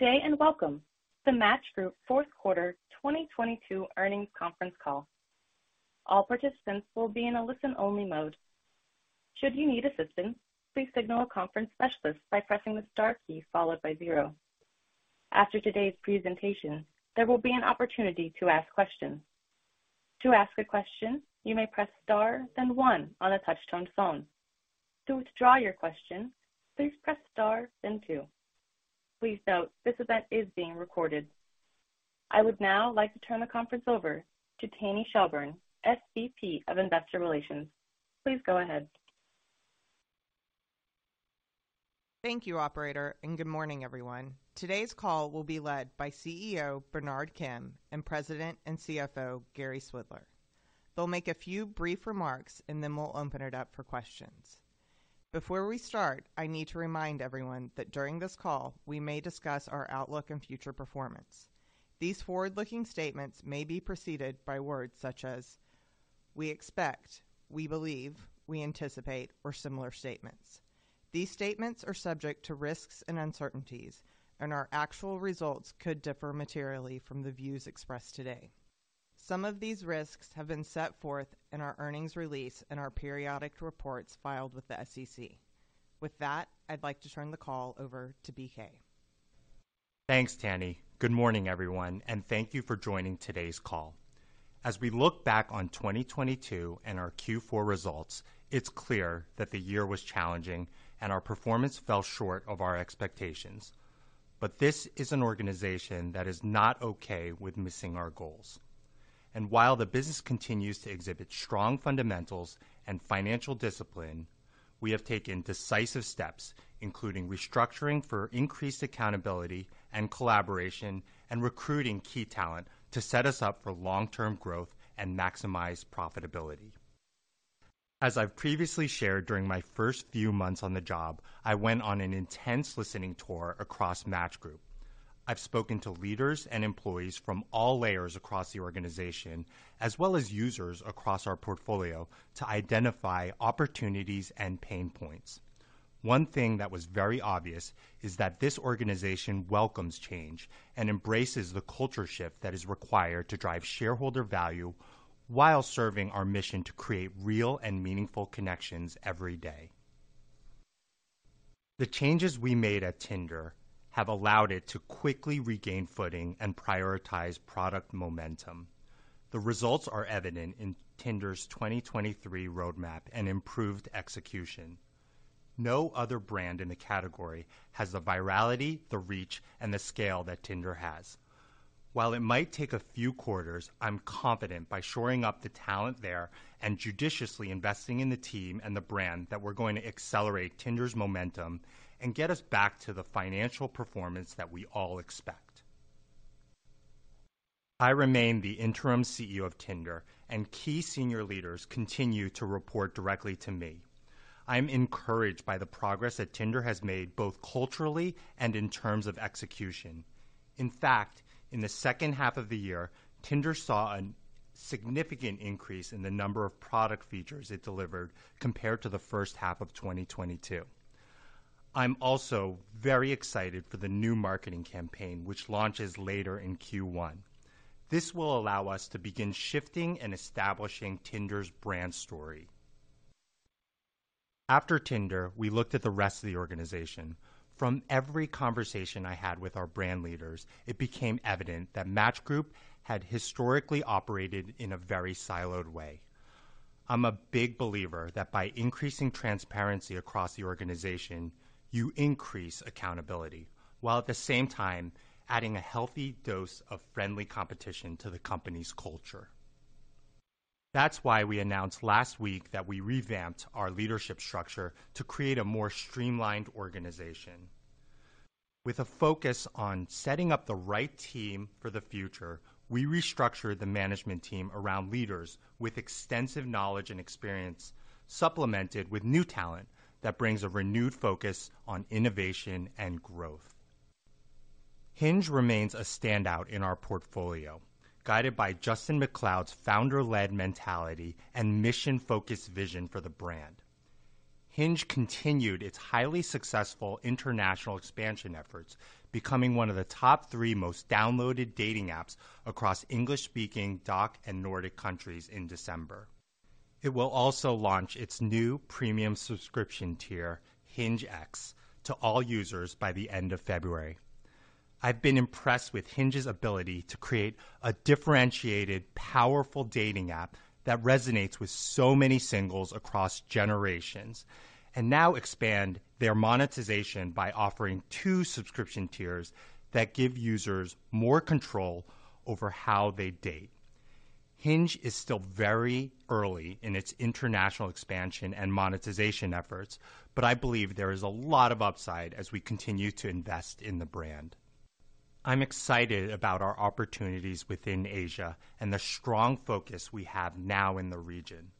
Good day and welcome to Match Group Fourth Quarter 2022 Earnings Conference Call. All participants will be in a listen-only mode. Should you need assistance, please signal a conference specialist by pressing the star key followed by zero. After today's presentation, there will be an opportunity to ask questions. To ask a question, you may press star, then one on a touch-tone phone. To withdraw your question, please press star, then two. Please note, this event is being recorded. I would now like to turn the conference over to Tanny Shelburne, SVP of Investor Relations. Please go ahead. Thank you, operator, and good morning, everyone. Today's call will be led by CEO Bernard Kim and President and CFO Gary Swidler. They'll make a few brief remarks, and then we'll open it up for questions. Before we start, I need to remind everyone that during this call, we may discuss our outlook and future performance. These forward-looking statements may be preceded by words such as, "We expect," "We believe," "We anticipate," or similar statements. These statements are subject to risks and uncertainties, and our actual results could differ materially from the views expressed today. Some of these risks have been set forth in our earnings release and our periodic reports filed with the SEC. With that, I'd like to turn the call over to BK. Thanks, Tanny. Good morning, everyone, and thank you for joining today's call. As we look back on 2022 and our Q4 results, it's clear that the year was challenging and our performance fell short of our expectations. This is an organization that is not okay with missing our goals. While the business continues to exhibit strong fundamentals and financial discipline, we have taken decisive steps, including restructuring for increased accountability and collaboration, and recruiting key talent to set us up for long-term growth and maximize profitability. As I've previously shared during my first few months on the job, I went on an intense listening tour across Match Group. I've spoken to leaders and employees from all layers across the organization, as well as users across our portfolio to identify opportunities and pain points. One thing that was very obvious is that this organization welcomes change and embraces the culture shift that is required to drive shareholder value while serving our mission to create real and meaningful connections every day. The changes we made at Tinder have allowed it to quickly regain footing and prioritize product momentum. The results are evident in Tinder's 2023 roadmap and improved execution. No other brand in the category has the virality, the reach, and the scale that Tinder has. While it might take a few quarters, I'm confident by shoring up the talent there and judiciously investing in the team and the brand that we're going to accelerate Tinder's momentum and get us back to the financial performance that we all expect. I remain the interim CEO of Tinder, and key senior leaders continue to report directly to me. I'm encouraged by the progress that Tinder has made, both culturally and in terms of execution. In fact, in the second half of the year, Tinder saw a significant increase in the number of product features it delivered compared to the first half of 2022. I'm also very excited for the new marketing campaign which launches later in Q1. This will allow us to begin shifting and establishing Tinder's brand story. After Tinder, we looked at the rest of the organization. From every conversation I had with our brand leaders, it became evident that Match Group had historically operated in a very siloed way. I'm a big believer that by increasing transparency across the organization, you increase accountability, while at the same time, adding a healthy dose of friendly competition to the company's culture. That's why we announced last week that we revamped our leadership structure to create a more streamlined organization. With a focus on setting up the right team for the future, we restructured the management team around leaders with extensive knowledge and experience, supplemented with new talent that brings a renewed focus on innovation and growth. Hinge remains a standout in our portfolio, guided by Justin McLeod's founder-led mentality and mission-focused vision for the brand. Hinge continued its highly successful international expansion efforts, becoming one of the top three most downloaded dating apps across English-speaking, DACH, and Nordic countries in December. It will also launch its new premium subscription tier, HingeX, to all users by the end of February. I've been impressed with Hinge's ability to create a differentiated, powerful dating app that resonates with so many singles across generations and now expand their monetization by offering two subscription tiers that give users more control over how they date. Hinge is still very early in its international expansion and monetization efforts, but I believe there is a lot of upside as we continue to invest in the brand. I'm excited about our opportunities within Asia and the strong focus we have now in the region.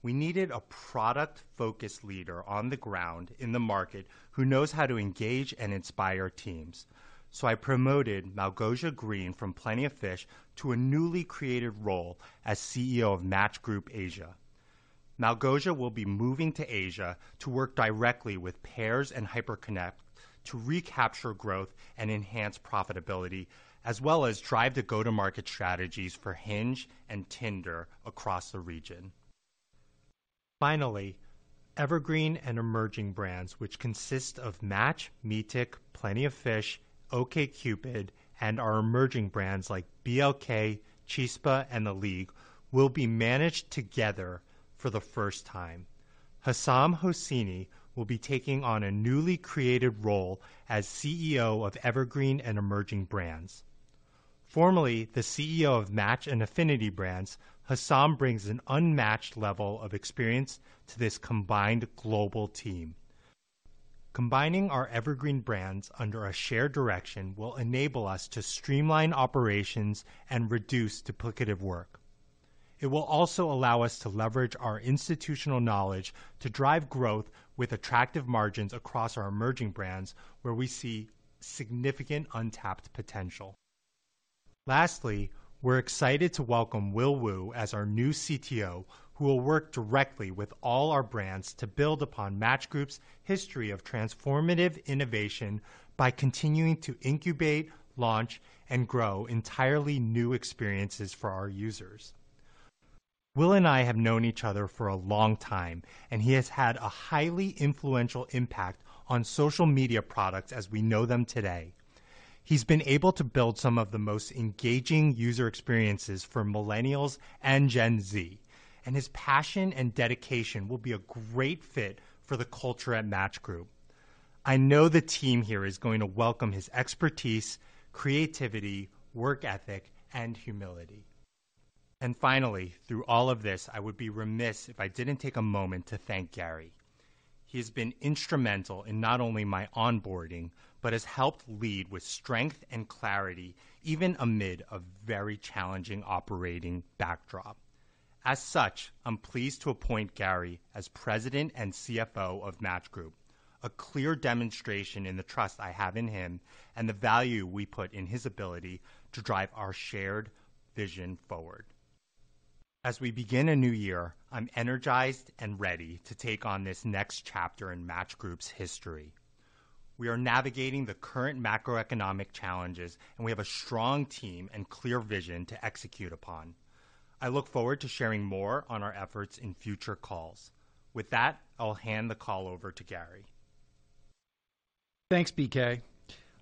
We needed a product-focused leader on the ground in the market who knows how to engage and inspire teams. I promoted Malgosia Green from Plenty of Fish to a newly created role as CEO of Match Group Asia. Malgosia will be moving to Asia to work directly with Pairs and Hyperconnect to recapture growth and enhance profitability, as well as drive the go-to-market strategies for Hinge and Tinder across the region. Finally, Evergreen and Emerging Brands, which consist of Match, Meetic, Plenty of Fish, OkCupid, and our emerging brands like BLK, Chispa, and The League, will be managed together for the first time. Hesam Hosseini will be taking on a newly created role as CEO of Evergreen and Emerging Brands. Formerly the CEO of Match and Affinity Brands, Hesam brings an unmatched level of experience to this combined global team. Combining our Evergreen Brands under a shared direction will enable us to streamline operations and reduce duplicative work. It will also allow us to leverage our institutional knowledge to drive growth with attractive margins across our emerging brands where we see significant untapped potential. Lastly, we're excited to welcome Will Wu as our new CTO, who will work directly with all our brands to build upon Match Group's history of transformative innovation by continuing to incubate, launch, and grow entirely new experiences for our users. He has had a highly influential impact on social media products as we know them today. He's been able to build some of the most engaging user experiences for Millennials and Gen Z. His passion and dedication will be a great fit for the culture at Match Group. I know the team here is going to welcome his expertise, creativity, work ethic, and humility. Finally, through all of this, I would be remiss if I didn't take a moment to thank Gary. He has been instrumental in not only my onboarding, but has helped lead with strength and clarity, even amid a very challenging operating backdrop. As such, I'm pleased to appoint Gary as President and CFO of Match Group, a clear demonstration in the trust I have in him and the value we put in his ability to drive our shared vision forward. As we begin a new year, I'm energized and ready to take on this next chapter in Match Group's history. We are navigating the current macroeconomic challenges, we have a strong team and clear vision to execute upon. I look forward to sharing more on our efforts in future calls. With that, I'll hand the call over to Gary. Thanks, BK.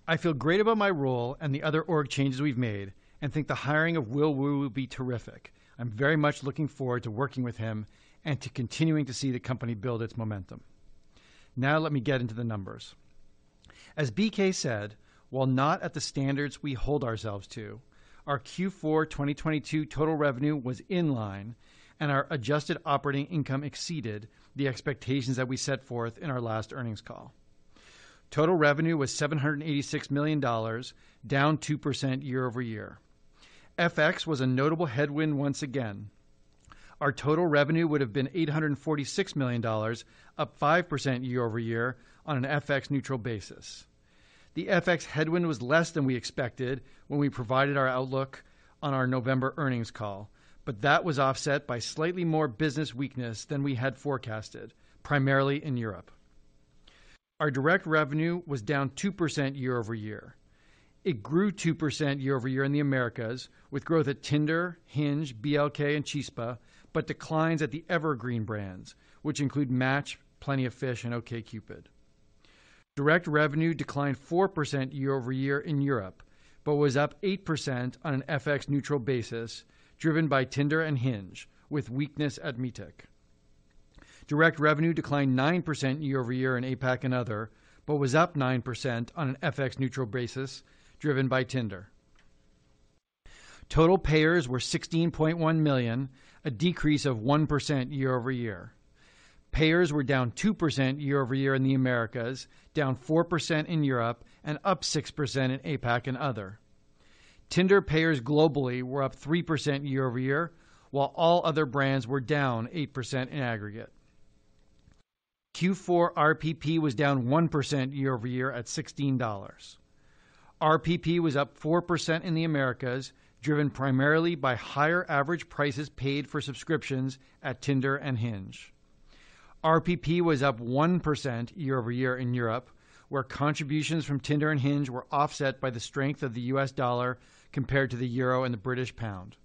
I feel great about my role and the other org changes we've made and think the hiring of Will Wu will be terrific. I'm very much looking forward to working with him and to continuing to see the company build its momentum. Now let me get into the numbers. As BK said, while not at the standards we hold ourselves to, our Q4 2022 total revenue was in line, and our adjusted operating income exceeded the expectations that we set forth in our last earnings call. Total revenue was $786 million, down 2% year-over-year. FX was a notable headwind once again. Our total revenue would have been $846 million, up 5% year-over-year on an FX neutral basis. The FX headwind was less than we expected when we provided our outlook on our November earnings call, but that was offset by slightly more business weakness than we had forecasted, primarily in Europe. Our direct revenue was down 2% year-over-year. It grew 2% year-over-year in the Americas with growth at Tinder, Hinge, BLK, and Chispa, but declines at the Evergreen brands, which include Match, Plenty of Fish, and OkCupid. Direct revenue declined 4% year-over-year in Europe, but was up 8% on an FX neutral basis, driven by Tinder and Hinge, with weakness at Meetic. Direct revenue declined 9% year-over-year in APAC and other, but was up 9% on an FX neutral basis, driven by Tinder. Total payers were 16.1 million, a decrease of 1% year-over-year. Payers were down 2% year-over-year in the Americas, down 4% in Europe, and up 6% in APAC and other. Tinder payers globally were up 3% year-over-year, while all other brands were down 8% in aggregate. Q4 RPP was down 1% year-over-year at $16. RPP was up 4% in the Americas, driven primarily by higher average prices paid for subscriptions at Tinder and Hinge. RPP was up 1% year-over-year in Europe, where contributions from Tinder and Hinge were offset by the strength of the U.S. dollar compared to the euro and the British pound.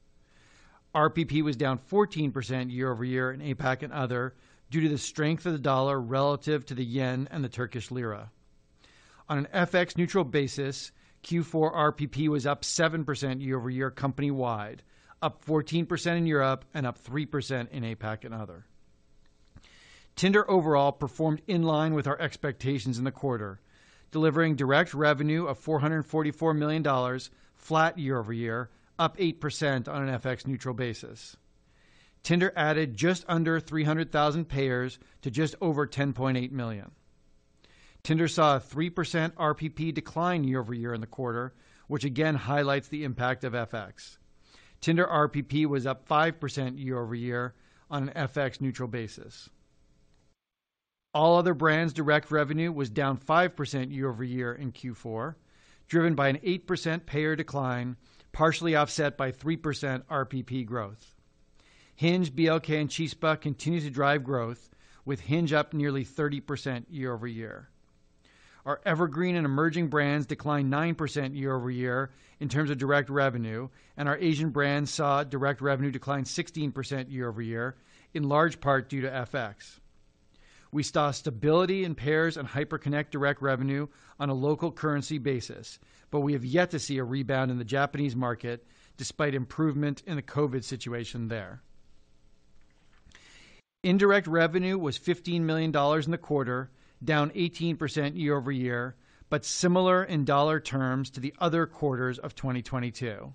RPP was down 14% year-over-year in APAC and other due to the strength of the dollar relative to the yen and the Turkish lira. On an FX neutral basis, Q4 RPP was up 7% year-over-year company-wide, up 14% in Europe and up 3% in APAC and other. Tinder overall performed in line with our expectations in the quarter, delivering direct revenue of $444 million flat year-over-year, up 8% on an FX neutral basis. Tinder added just under 300,000 payers to just over 10.8 million. Tinder saw a 3% RPP decline year-over-year in the quarter, which again highlights the impact of FX. Tinder RPP was up 5% year-over-year on an FX neutral basis. All other brands direct revenue was down 5% year-over-year in Q4, driven by an 8% payer decline, partially offset by 3% RPP growth. Hinge, BLK, and Chispa continue to drive growth with Hinge up nearly 30% year-over-year. Our Evergreen and Emerging Brands declined 9% year-over-year in terms of direct revenue, and our Asian brands saw direct revenue decline 16% year-over-year in large part due to FX. We saw stability in Pairs and Hyperconnect direct revenue on a local currency basis, but we have yet to see a rebound in the Japanese market despite improvement in the COVID situation there. Indirect revenue was $15 million in the quarter, down 18% year-over-year but similar in dollar terms to the other quarters of 2022.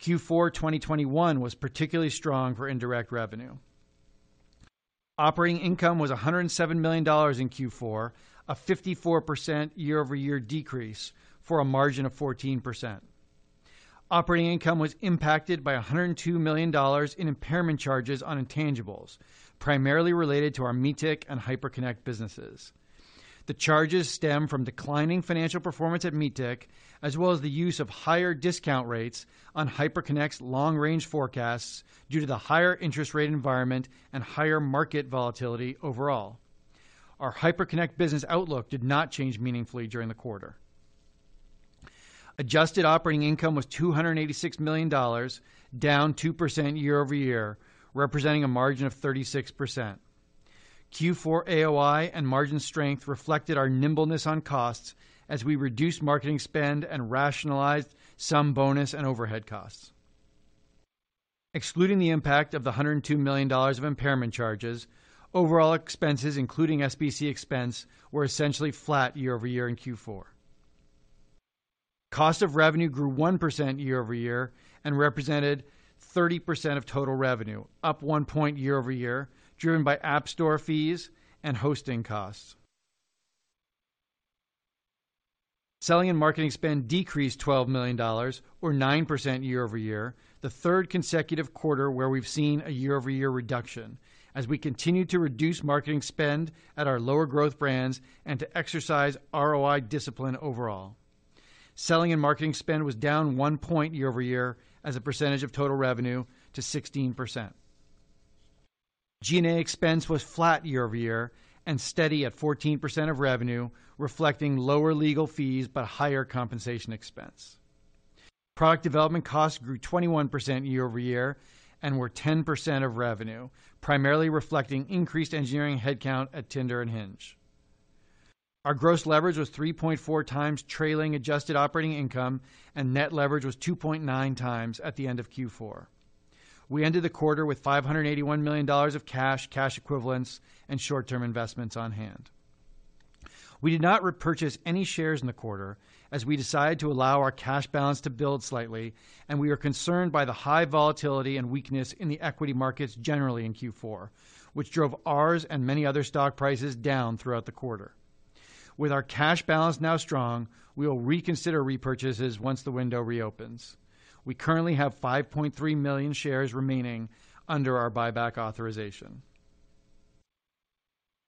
Q4 2021 was particularly strong for indirect revenue. Operating income was $107 million in Q4, a 54% year-over-year decrease for a margin of 14%. Operating income was impacted by $102 million in impairment charges on intangibles, primarily related to our Meetic and Hyperconnect businesses. The charges stem from declining financial performance at Meetic, as well as the use of higher discount rates on Hyperconnect's long-range forecasts due to the higher interest rate environment and higher market volatility overall. Our Hyperconnect business outlook did not change meaningfully during the quarter. Adjusted operating income was $286 million, down 2% year-over-year, representing a margin of 36%. Q4 AOI and margin strength reflected our nimbleness on costs as we reduced marketing spend and rationalized some bonus and overhead costs. Excluding the impact of the $102 million of impairment charges, overall expenses, including SBC expense, were essentially flat year-over-year in Q4. Cost of revenue grew 1% year-over-year and represented 30% of total revenue, up 1 point year-over-year, driven by App Store fees and hosting costs. Selling and marketing spend decreased $12 million or 9% year-over-year, the third consecutive quarter where we've seen a year-over-year reduction as we continue to reduce marketing spend at our lower growth brands and to exercise ROI discipline overall. Selling and marketing spend was down 1 point year-over-year as a percentage of total revenue to 16%. G&A expense was flat year-over-year and steady at 14% of revenue, reflecting lower legal fees but higher compensation expense. Product development costs grew 21% year-over-year and were 10% of revenue, primarily reflecting increased engineering headcount at Tinder and Hinge. Our gross leverage was 3.4x trailing adjusted operating income and net leverage was 2.9x at the end of Q4. We ended the quarter with $581 million of cash equivalents, and short-term investments on hand. We did not repurchase any shares in the quarter as we decided to allow our cash balance to build slightly, and we are concerned by the high volatility and weakness in the equity markets generally in Q4, which drove ours and many other stock prices down throughout the quarter. With our cash balance now strong, we will reconsider repurchases once the window reopens. We currently have 5.3 million shares remaining under our buyback authorization.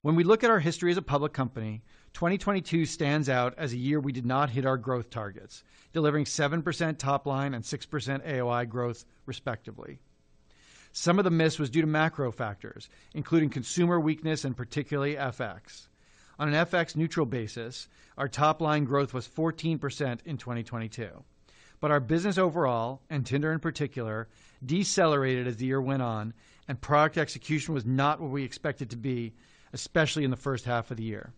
When we look at our history as a public company, 2022 stands out as a year we did not hit our growth targets, delivering 7% top line and 6% AOI growth respectively. Some of the miss was due to macro factors, including consumer weakness and particularly FX. On an FX neutral basis, our top-line growth was 14% in 2022. Our business overall, and Tinder in particular, decelerated as the year went on, and product execution was not what we expected to be, especially in the first half of the year.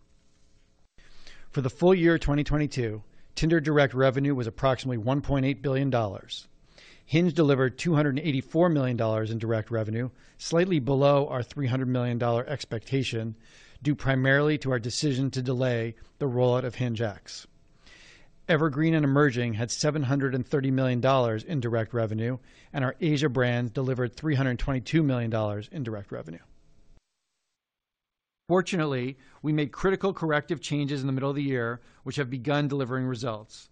For the full year 2022, Tinder direct revenue was approximately $1.8 billion. Hinge delivered $284 million in direct revenue, slightly below our $300 million expectation, due primarily to our decision to delay the rollout of HingeX. Evergreen and Emerging had $730 million in direct revenue and our Asia brand delivered $322 million in direct revenue. Fortunately, we made critical corrective changes in the middle of the year, which have begun delivering results.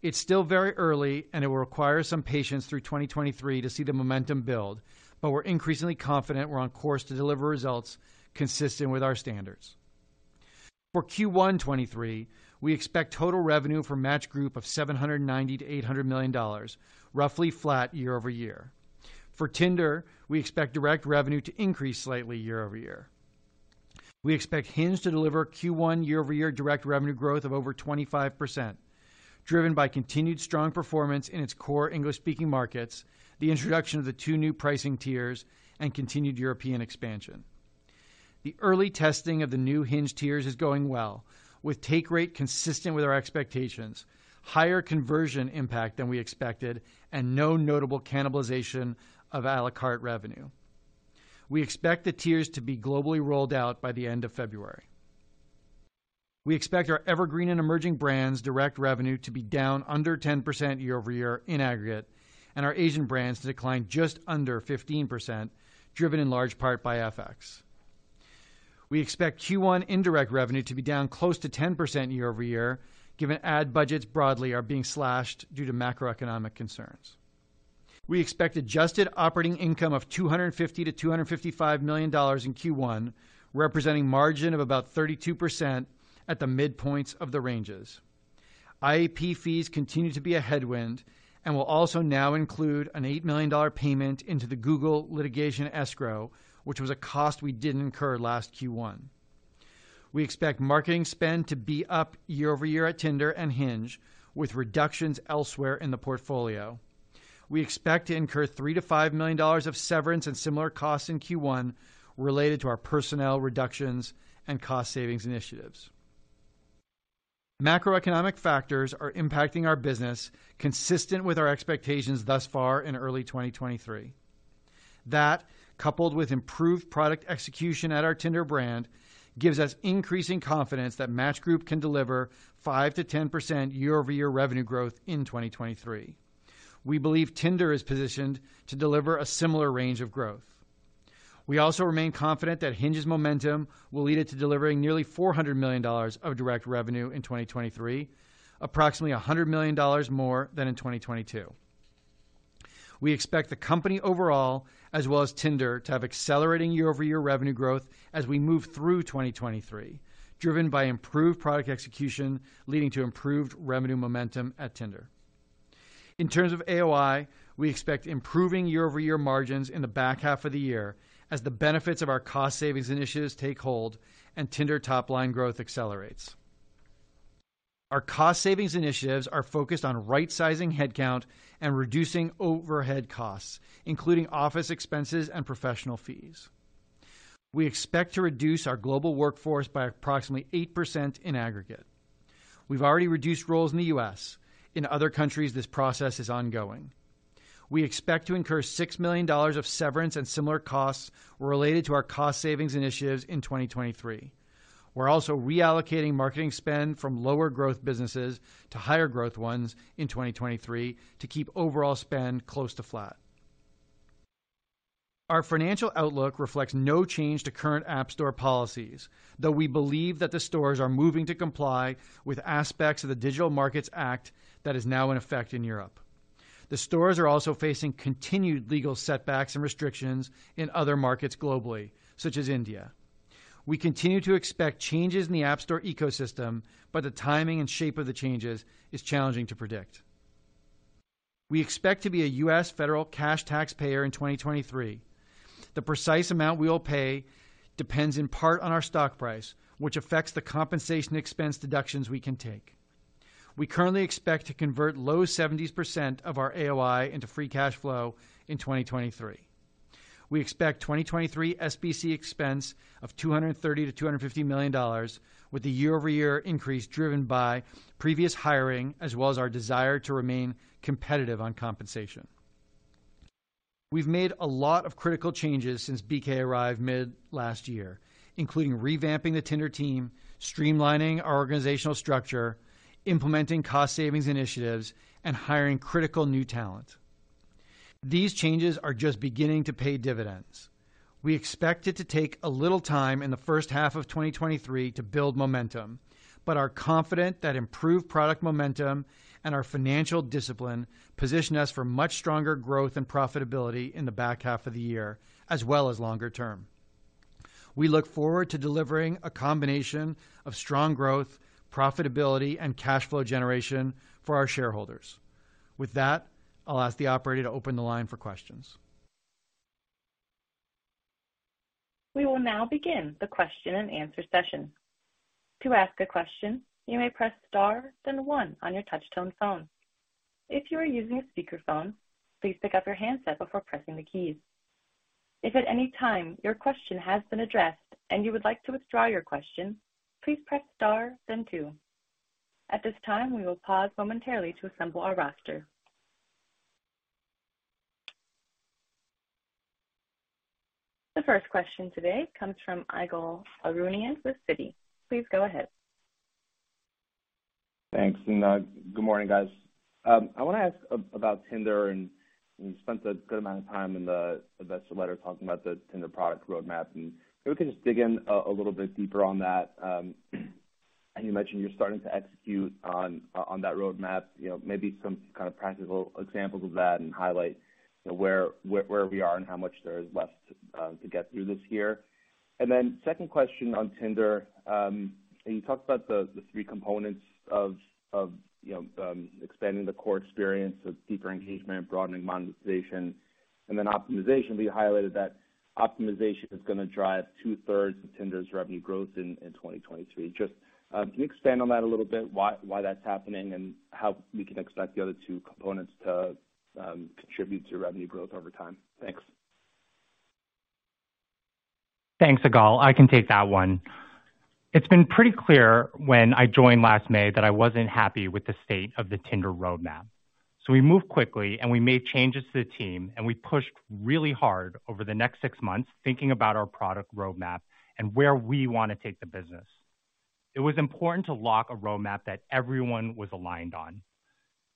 It's still very early, and it will require some patience through 2023 to see the momentum build, but we're increasingly confident we're on course to deliver results consistent with our standards. For Q1 2023, we expect total revenue for Match Group of $790 million-$800 million, roughly flat year-over-year. For Tinder, we expect direct revenue to increase slightly year-over-year. We expect Hinge to deliver Q1 year-over-year direct revenue growth of over 25%, driven by continued strong performance in its core English-speaking markets, the introduction of the two new pricing tiers, and continued European expansion. The early testing of the new Hinge tiers is going well with take rate consistent with our expectations, higher conversion impact than we expected, and no notable cannibalization of a la carte revenue. We expect the tiers to be globally rolled out by the end of February. We expect our Evergreen and Emerging Brands direct revenue to be down under 10% year-over-year in aggregate and our Asian brands to decline just under 15%, driven in large part by FX. We expect Q1 indirect revenue to be down close to 10% year-over-year, given ad budgets broadly are being slashed due to macroeconomic concerns. We expect adjusted operating income of $250 million-$255 million in Q1, representing margin of about 32% at the midpoints of the ranges. IAP fees continue to be a headwind and will also now include an $8 million payment into the Google litigation escrow, which was a cost we didn't incur last Q1. We expect marketing spend to be up year-over-year at Tinder and Hinge, with reductions elsewhere in the portfolio. We expect to incur $3 million-$5 million of severance and similar costs in Q1 related to our personnel reductions and cost savings initiatives. Macroeconomic factors are impacting our business consistent with our expectations thus far in early 2023. That, coupled with improved product execution at our Tinder brand, gives us increasing confidence that Match Group can deliver 5%-10% year-over-year revenue growth in 2023. We believe Tinder is positioned to deliver a similar range of growth. We also remain confident that Hinge's momentum will lead it to delivering nearly $400 million of direct revenue in 2023, approximately $100 million more than in 2022. We expect the company overall as well as Tinder to have accelerating year-over-year revenue growth as we move through 2023, driven by improved product execution, leading to improved revenue momentum at Tinder. In terms of AOI, we expect improving year-over-year margins in the back half of the year as the benefits of our cost savings initiatives take hold and Tinder top line growth accelerates. Our cost savings initiatives are focused on right-sizing headcount and reducing overhead costs, including office expenses and professional fees. We expect to reduce our global workforce by approximately 8% in aggregate. We've already reduced roles in the U.S. In other countries, this process is ongoing. We expect to incur $6 million of severance and similar costs related to our cost savings initiatives in 2023. We're also reallocating marketing spend from lower growth businesses to higher growth ones in 2023 to keep overall spend close to flat. Our financial outlook reflects no change to current App Store policies, though we believe that the stores are moving to comply with aspects of the Digital Markets Act that is now in effect in Europe. The stores are also facing continued legal setbacks and restrictions in other markets globally, such as India. We continue to expect changes in the App Store ecosystem, but the timing and shape of the changes is challenging to predict. We expect to be a U.S. federal cash taxpayer in 2023. The precise amount we will pay depends in part on our stock price, which affects the compensation expense deductions we can take. We currently expect to convert low 70% of our AOI into free cash flow in 2023. We expect 2023 SBC expense of $230 million-$250 million with a year-over-year increase driven by previous hiring as well as our desire to remain competitive on compensation. We've made a lot of critical changes since BK arrived mid last year, including revamping the Tinder team, streamlining our organizational structure, implementing cost savings initiatives, and hiring critical new talent. These changes are just beginning to pay dividends. We expect it to take a little time in the first half of 2023 to build momentum, but are confident that improved product momentum and our financial discipline position us for much stronger growth and profitability in the back half of the year as well as longer term. We look forward to delivering a combination of strong growth, profitability, and cash flow generation for our shareholders. With that, I'll ask the operator to open the line for questions. We will now begin the question-and-answer session. To ask a question, you may press star, then one on your touchtone phone. If you are using a speakerphone, please pick up your handset before pressing the keys. If at any time your question has been addressed and you would like to withdraw your question, please press star then two. At this time, we will pause momentarily to assemble our roster. The first question today comes from Ygal Arounian with Citi. Please go ahead. Thanks, good morning, guys. I want to ask about Tinder. You spent a good amount of time in the investor letter talking about the Tinder product roadmap. If we can just dig in a little bit deeper on that. You mentioned you're starting to execute on that roadmap. You know, maybe some kind of practical examples of that and highlight where we are and how much there is left to get through this year. Then second question on Tinder. You talked about the three components of, you know, expanding the core experience of deeper engagement, broadening monetization, and then optimization being highlighted that optimization is going to drive 2/3 of Tinder's revenue growth in 2023. Can you expand on that a little bit, why that's happening, and how we can expect the other two components to contribute to revenue growth over time? Thanks. Thanks, Igal. I can take that one. It's been pretty clear when I joined last May that I wasn't happy with the state of the Tinder roadmap. We moved quickly, and we made changes to the team, and we pushed really hard over the next six months thinking about our product roadmap and where we want to take the business. It was important to lock a roadmap that everyone was aligned on.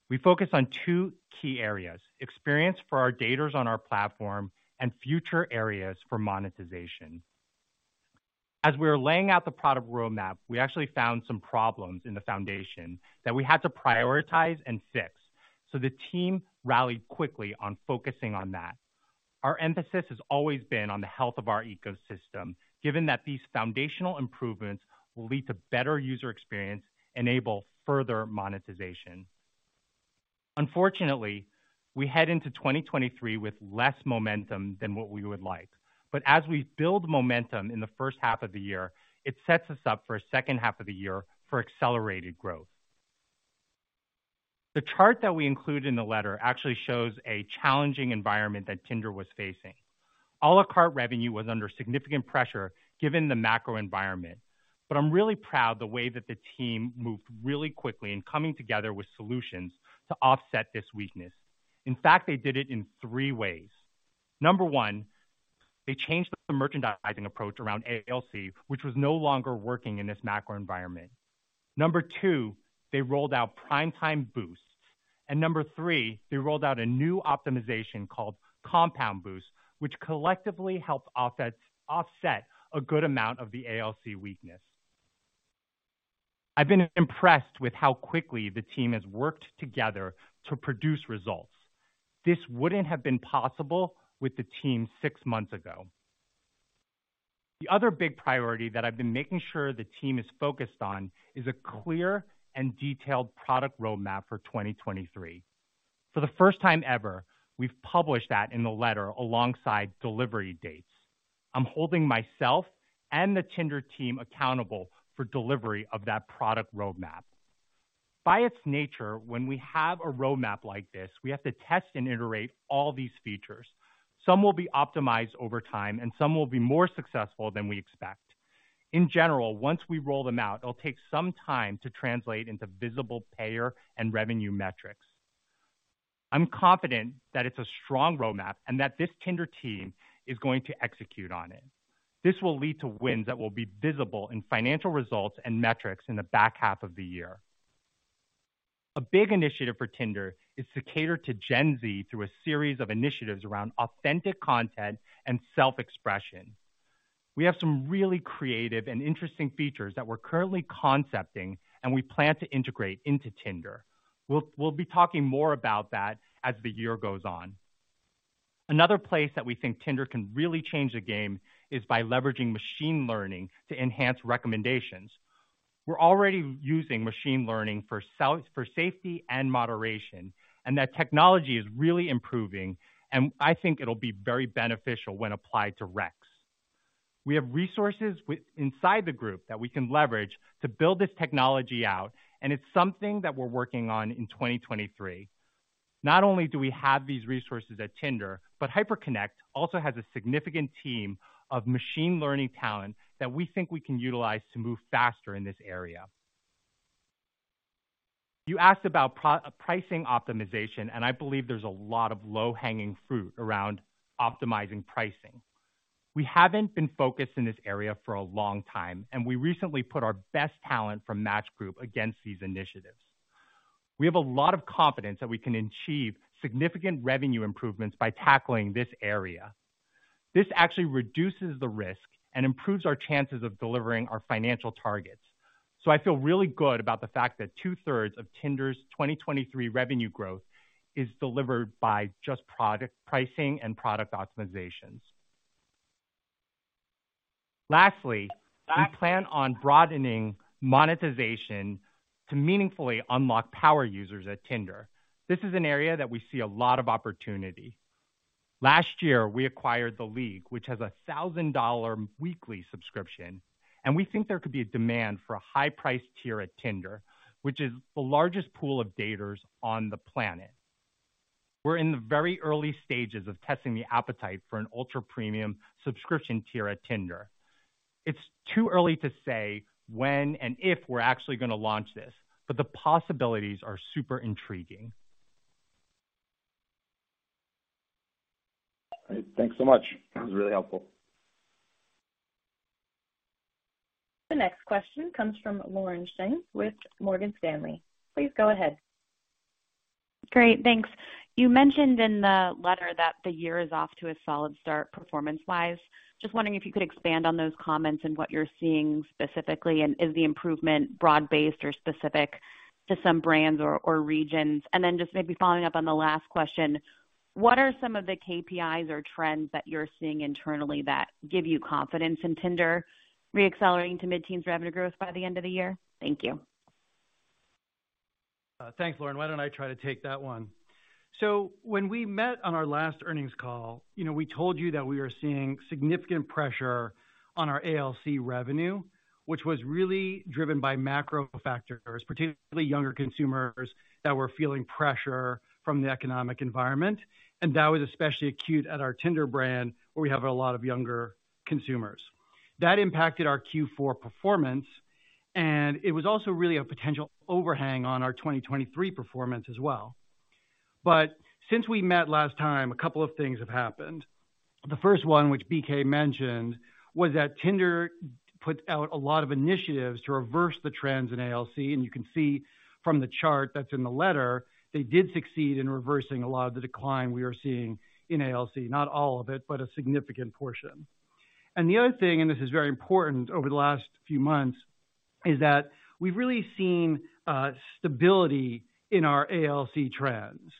We focus on two key areas, experience for our daters on our platform and future areas for monetization. As we were laying out the product roadmap, we actually found some problems in the foundation that we had to prioritize and fix. The team rallied quickly on focusing on that. Our emphasis has always been on the health of our ecosystem, given that these foundational improvements will lead to better user experience, enable further monetization. Unfortunately, we head into 2023 with less momentum than what we would like. As we build momentum in the first half of the year, it sets us up for a second half of the year for accelerated growth. The chart that we include in the letter actually shows a challenging environment that Tinder was facing. A la carte revenue was under significant pressure given the macro environment. I'm really proud the way that the team moved really quickly in coming together with solutions to offset this weakness. In fact, they did it in three ways. Number one, they changed the merchandising approach around ALC, which was no longer working in this macro environment. Number two, they rolled out Primetime Boost. Number three, they rolled out a new optimization called Compound Boost, which collectively helped offset a good amount of the ALC weakness. I've been impressed with how quickly the team has worked together to produce results. This wouldn't have been possible with the team six months ago. The other big priority that I've been making sure the team is focused on is a clear and detailed product roadmap for 2023. For the first time ever, we've published that in the letter alongside delivery dates. I'm holding myself and the Tinder team accountable for delivery of that product roadmap. By its nature, when we have a roadmap like this, we have to test and iterate all these features. Some will be optimized over time, and some will be more successful than we expect. In general, once we roll them out, it'll take some time to translate into visible payer and revenue metrics. I'm confident that it's a strong roadmap and that this Tinder team is going to execute on it. This will lead to wins that will be visible in financial results and metrics in the back half of the year. A big initiative for Tinder is to cater to Gen Z through a series of initiatives around authentic content and self-expression. We have some really creative and interesting features that we're currently concepting, and we plan to integrate into Tinder. We'll be talking more about that as the year goes on. Another place that we think Tinder can really change the game is by leveraging machine learning to enhance recommendations. We're already using machine learning for safety and moderation, and that technology is really improving, and I think it'll be very beneficial when applied to recs. We have resources inside the group that we can leverage to build this technology out, and it's something that we're working on in 2023. Not only do we have these resources at Tinder, but Hyperconnect also has a significant team of machine learning talent that we think we can utilize to move faster in this area. You asked about pricing optimization, I believe there's a lot of low-hanging fruit around optimizing pricing. We haven't been focused in this area for a long time, we recently put our best talent from Match Group against these initiatives. We have a lot of confidence that we can achieve significant revenue improvements by tackling this area. This actually reduces the risk and improves our chances of delivering our financial targets. I feel really good about the fact that two-thirds of Tinder's 2023 revenue growth is delivered by just product pricing and product optimizations. Lastly, we plan on broadening monetization to meaningfully unlock power users at Tinder. This is an area that we see a lot of opportunity. Last year, we acquired The League, which has a $1,000 weekly subscription, and we think there could be a demand for a high-priced tier at Tinder, which is the largest pool of daters on the planet. We're in the very early stages of testing the appetite for an ultra-premium subscription tier at Tinder. It's too early to say when and if we're actually gonna launch this, but the possibilities are super intriguing. All right. Thanks so much. That was really helpful. The next question comes from Lauren Schenk with Morgan Stanley. Please go ahead. Great. Thanks. You mentioned in the letter that the year is off to a solid start performance-wise. Just wondering if you could expand on those comments and what you're seeing specifically, and is the improvement broad-based or specific to some brands or regions? Then just maybe following up on the last question, what are some of the KPIs or trends that you're seeing internally that give you confidence in Tinder re-accelerating to mid-teens revenue growth by the end of the year? Thank you. Thanks, Lauren. When we met on our last earnings call, you know, we told you that we were seeing significant pressure on our ALC revenue, which was really driven by macro factors, particularly younger consumers that were feeling pressure from the economic environment. That was especially acute at our Tinder brand, where we have a lot of younger consumers. That impacted our Q4 performance, and it was also really a potential overhang on our 2023 performance as well. Since we met last time, a couple of things have happened. The first one, which BK mentioned, was that Tinder put out a lot of initiatives to reverse the trends in ALC, and you can see from the chart that's in the letter, they did succeed in reversing a lot of the decline we are seeing in ALC. Not all of it, but a significant portion. The other thing, and this is very important over the last few months, is that we've really seen stability in our ALC trends.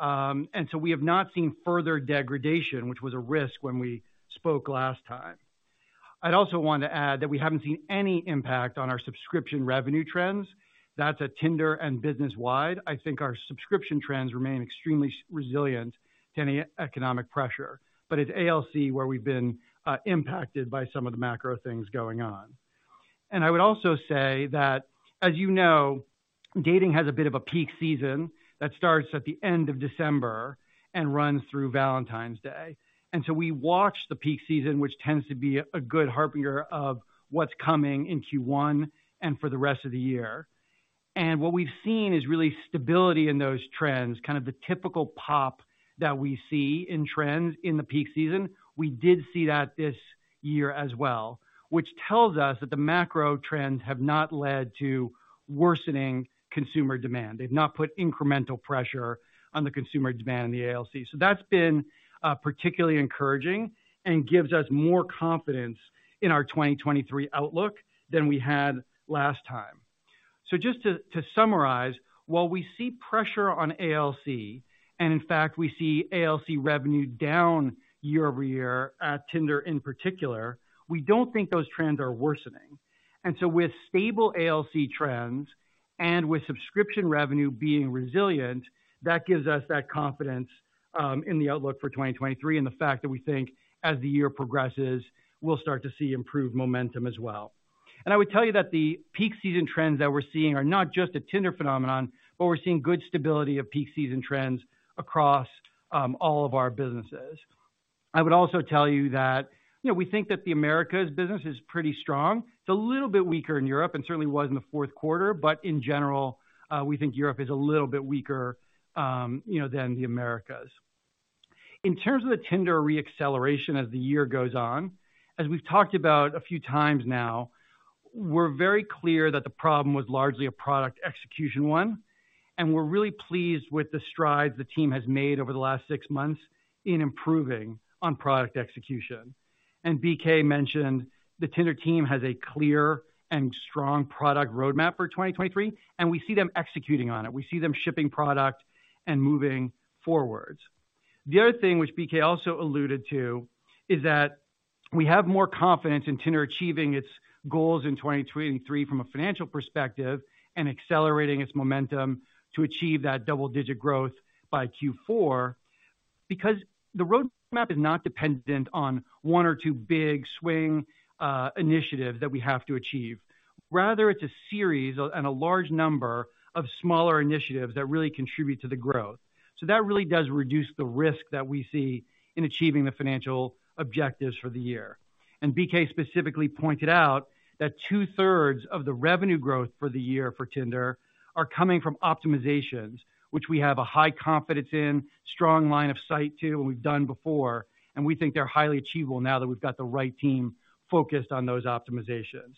We have not seen further degradation, which was a risk when we spoke last time. I'd also want to add that we haven't seen any impact on our subscription revenue trends. That's at Tinder and business-wide. I think our subscription trends remain extremely resilient to any economic pressure. It's ALC where we've been impacted by some of the macro things going on. I would also say that, as you know, dating has a bit of a peak season that starts at the end of December and runs through Valentine's Day. We watch the peak season, which tends to be a good harbinger of what's coming in Q1 and for the rest of the year. What we've seen is really stability in those trends, kind of the typical pop that we see in trends in the peak season. We did see that this year as well, which tells us that the macro trends have not led to worsening consumer demand. They've not put incremental pressure on the consumer demand in the ALC. That's been particularly encouraging and gives us more confidence in our 2023 outlook than we had last time. Just to summarize, while we see pressure on ALC, and in fact, we see ALC revenue down year-over-year at Tinder in particular, we don't think those trends are worsening. With stable ALC trends and with subscription revenue being resilient, that gives us that confidence in the outlook for 2023 and the fact that we think as the year progresses, we'll start to see improved momentum as well. I would tell you that the peak season trends that we're seeing are not just a Tinder phenomenon, but we're seeing good stability of peak season trends across all of our businesses. I would also tell you that, you know, we think that the Americas business is pretty strong. It's a little bit weaker in Europe and certainly was in the fourth quarter. In general, we think Europe is a little bit weaker, you know, than the Americas. In terms of the Tinder re-acceleration as the year goes on, as we've talked about a few times now, we're very clear that the problem was largely a product execution one, and we're really pleased with the strides the team has made over the last six months in improving on product execution. BK mentioned the Tinder team has a clear and strong product roadmap for 2023, and we see them executing on it. We see them shipping product and moving forwards. The other thing which BK also alluded to is that we have more confidence in Tinder achieving its goals in 2023 from a financial perspective and accelerating its momentum to achieve that double-digit growth by Q4. Because the roadmap is not dependent on one or two big swing initiatives that we have to achieve. Rather, it's a series and a large number of smaller initiatives that really contribute to the growth. That really does reduce the risk that we see in achieving the financial objectives for the year. BK specifically pointed out that 2/3 of the revenue growth for the year for Tinder are coming from optimizations, which we have a high confidence in, strong line of sight to, and we've done before, and we think they're highly achievable now that we've got the right team focused on those optimizations.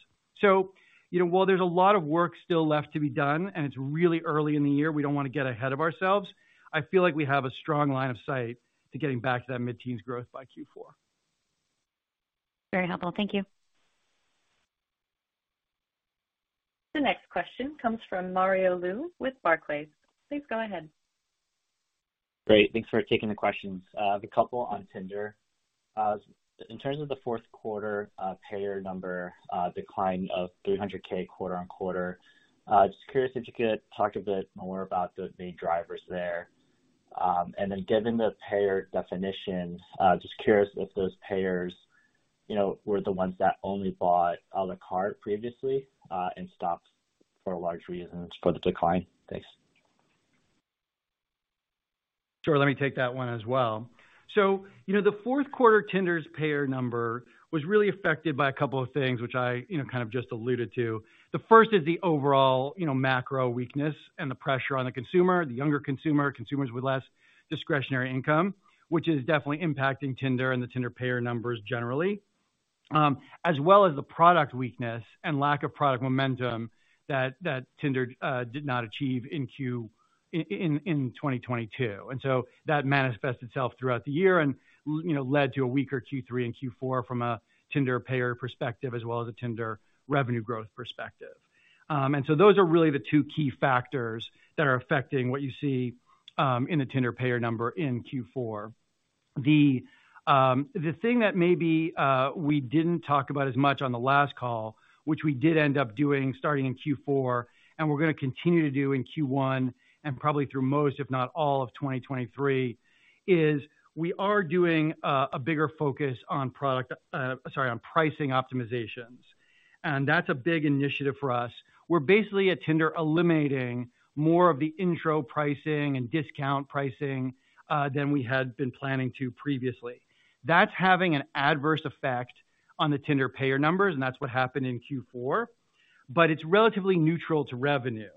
You know, while there's a lot of work still left to be done, and it's really early in the year, we don't wanna get ahead of ourselves, I feel like we have a strong line of sight to getting back to that mid-teens growth by Q4. Very helpful. Thank you. The next question comes from Mario Lu with Barclays. Please go ahead. Great. Thanks for taking the questions. A couple on Tinder. In terms of the fourth quarter, payer number, decline of 300,000 quarter-on-quarter, just curious if you could talk a bit more about the drivers there? Then given the payer definition, just curious if those payers, you know, were the ones that only bought a la carte previously, and stopped for large reasons for the decline? Thanks. Sure, let me take that one as well. You know, the fourth quarter Tinder's payer number was really affected by a couple of things which I, you know, kind of just alluded to. The first is the overall, you know, macro weakness and the pressure on the consumer, the younger consumer, consumers with less discretionary income, which is definitely impacting Tinder and the Tinder payer numbers generally. As well as the product weakness and lack of product momentum that Tinder did not achieve in 2022. That manifests itself throughout the year and, you know, led to a weaker Q3 and Q4 from a Tinder payer perspective as well as a Tinder revenue growth perspective. Those are really the two key factors that are affecting what you see in the Tinder payer number in Q4. The thing that maybe we didn't talk about as much on the last call, which we did end up doing starting in Q4, and we're gonna continue to do in Q1, and probably through most, if not all, of 2023, is we are doing a bigger focus on product, sorry, on pricing optimizations. That's a big initiative for us, where basically at Tinder eliminating more of the intro pricing and discount pricing than we had been planning to previously. That's having an adverse effect on the Tinder payer numbers, and that's what happened in Q4, but it's relatively neutral to revenue.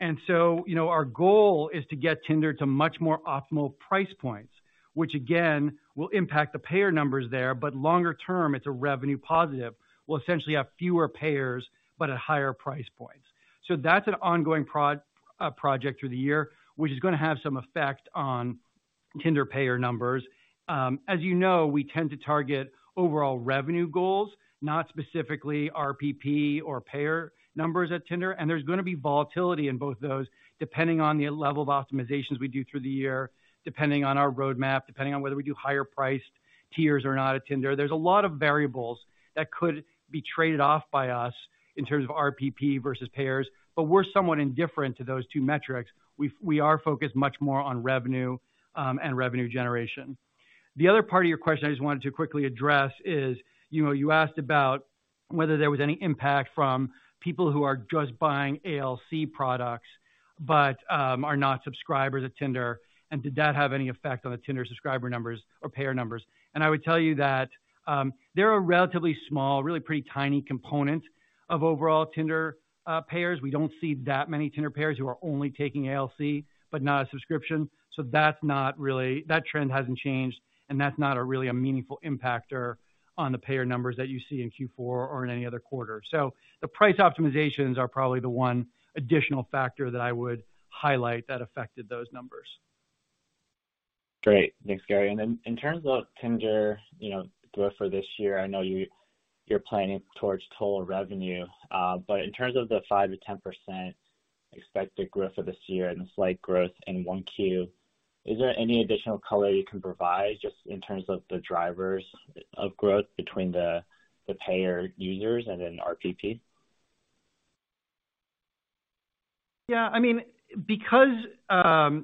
You know, our goal is to get Tinder to much more optimal price points, which again, will impact the payer numbers there. Longer term, it's a revenue positive. We'll essentially have fewer payers, but at higher price points. That's an ongoing project through the year, which is gonna have some effect on Tinder payer numbers. As you know, we tend to target overall revenue goals, not specifically RPP or payer numbers at Tinder. There's gonna be volatility in both those depending on the level of optimizations we do through the year, depending on our roadmap, depending on whether we do higher priced tiers or not at Tinder. There's a lot of variables that could be traded off by us in terms of RPP versus payers, but we're somewhat indifferent to those two metrics. We are focused much more on revenue, and revenue generation. The other part of your question I just wanted to quickly address is, you know, you asked about whether there was any impact from people who are just buying ALC products but are not subscribers of Tinder, and did that have any effect on the Tinder subscriber numbers or payer numbers. I would tell you that they're a relatively small, really pretty tiny component of overall Tinder payers. We don't see that many Tinder payers who are only taking ALC but not a subscription, so that's not really. That trend hasn't changed, and that's not a really a meaningful impactor on the payer numbers that you see in Q4 or in any other quarter. The price optimizations are probably the one additional factor that I would highlight that affected those numbers. Great. Thanks, Gary. In terms of Tinder, you know, growth for this year, I know you're planning towards total revenue. In terms of the 5%-10% expected growth for this year and the slight growth in 1Q, is there any additional color you can provide just in terms of the drivers of growth between the payer users and then RPP? I mean, because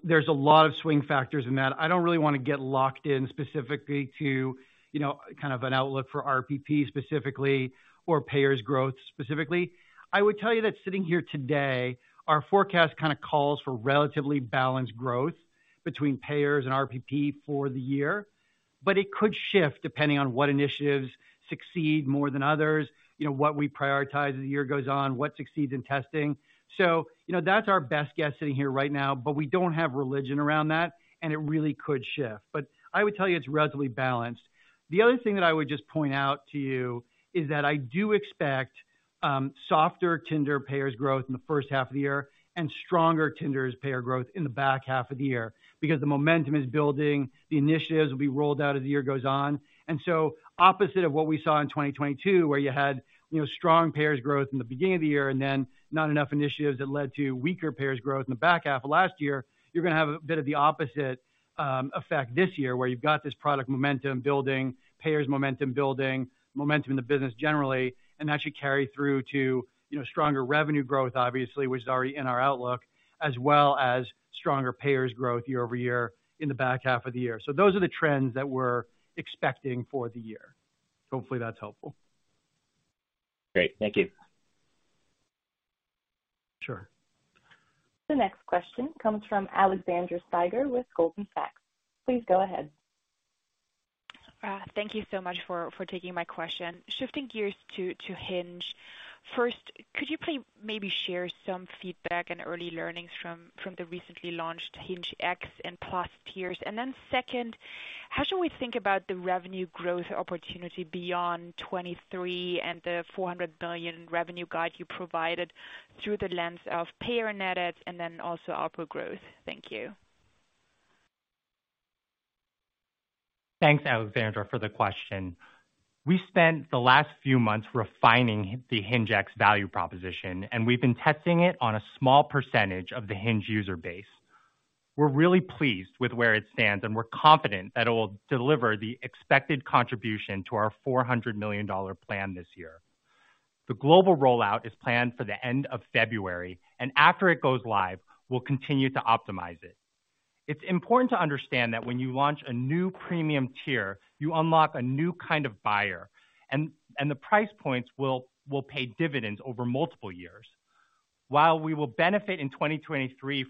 there's a lot of swing factors in that, I don't really wanna get locked in specifically to, you know, kind of an outlook for RPP specifically or payers growth specifically. I would tell you that sitting here today, our forecast kind of calls for relatively balanced growth between payers and RPP for the year, but it could shift depending on what initiatives succeed more than others, you know, what we prioritize as the year goes on, what succeeds in testing. You know, that's our best guess sitting here right now, but we don't have religion around that, and it really could shift. I would tell you it's relatively balanced. The other thing that I would just point out to you is that I do expect softer Tinder payers growth in the first half of the year and stronger Tinder's payer growth in the back half of the year, because the momentum is building, the initiatives will be rolled out as the year goes on. Opposite of what we saw in 2022, where you had, you know, strong payers growth in the beginning of the year and then not enough initiatives that led to weaker payers growth in the back half of last year, you're gonna have a bit of the opposite effect this year, where you've got this product momentum building, payers momentum building, momentum in the business generally, and that should carry through to, you know, stronger revenue growth obviously, which is already in our outlook, as well as stronger payers growth year-over-year in the back half of the year. Those are the trends that we're expecting for the year. Hopefully, that's helpful. Great. Thank you. Sure. The next question comes from Alexandra Steiger with Goldman Sachs. Please go ahead. Thank you so much for taking my question. Shifting gears to Hinge. First, could you please maybe share some feedback and early learnings from the recently launched HingeX and Hinge+ tiers? Second, how should we think about the revenue growth opportunity beyond 2023 and the $400 million revenue guide you provided through the lens of payer net adds and then also ARPU growth? Thank you. Thanks, Alexandra, for the question. We spent the last few months refining the HingeX value proposition, and we've been testing it on a small % of the Hinge user base. We're really pleased with where it stands, and we're confident that it will deliver the expected contribution to our $400 million plan this year. The global rollout is planned for the end of February, and after it goes live, we'll continue to optimize it. It's important to understand that when you launch a new premium tier, you unlock a new kind of buyer, and the price points will pay dividends over multiple years. While we will benefit in 2023